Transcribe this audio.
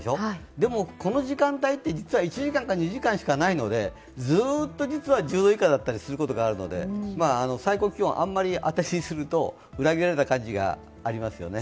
でも、この時間帯って実は１時間か２時間しかないのでずっと実は１０度以下だったりするので最高気温、あまりあてにすると裏切られた感じがありますよね。